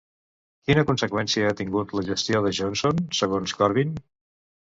Quina conseqüència ha tingut la gestió de Johnson, segons Corbyn?